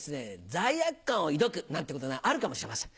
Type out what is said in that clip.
罪悪感を抱くなんてことあるかもしれません。